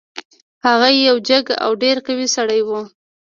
هغه یو جګ او ډیر قوي سړی و.